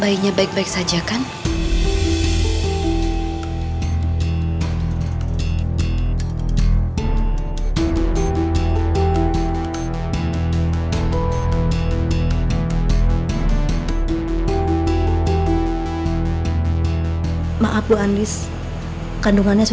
ibu harus selamatin kandungan saya ibu